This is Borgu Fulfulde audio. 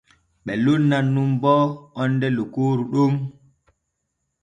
Ɓe lonnan nun bo onde lokooru ɗon.